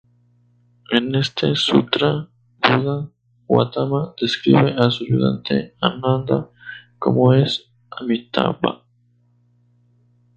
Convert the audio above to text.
En este sutra, Buda Gautama describe a su ayudante, Ananda, como es Amitābha.